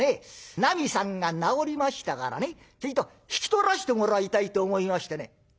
なみさんが治りましたからねちょいと引き取らしてもらいたいと思いましてね」。